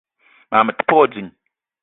Mag me te pe wa ding.